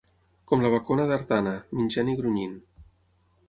Com la bacona d'Artana, menjant i grunyint.